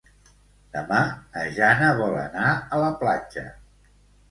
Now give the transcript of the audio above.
Demà na Jana vol anar a la platja.